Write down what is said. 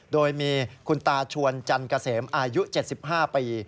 โดยมีคุณตาชวนจันเกษมอายุ๗๕ปี